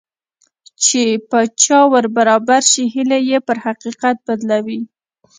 چې په چا ور برابر شي هيلې يې پر حقيقت بدلوي.